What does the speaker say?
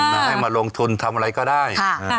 มาให้มาลงทุนทำอะไรก็ได้